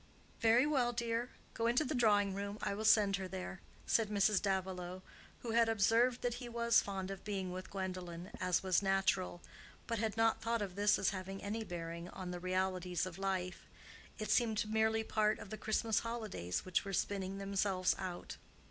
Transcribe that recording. "Very well, dear; go into the drawing room. I will send her there," said Mrs. Davilow, who had observed that he was fond of being with Gwendolen, as was natural, but had not thought of this as having any bearing on the realities of life: it seemed merely part of the Christmas holidays which were spinning themselves out.